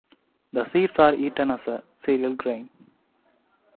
The seeds are eaten as a cereal grain.